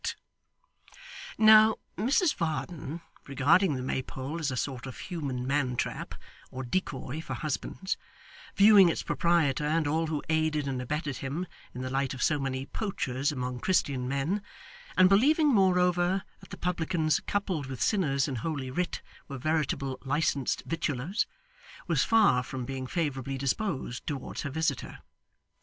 Now, Mrs Varden, regarding the Maypole as a sort of human mantrap, or decoy for husbands; viewing its proprietor, and all who aided and abetted him, in the light of so many poachers among Christian men; and believing, moreover, that the publicans coupled with sinners in Holy Writ were veritable licensed victuallers; was far from being favourably disposed towards her visitor.